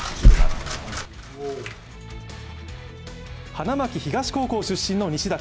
花巻東高校出身の西舘。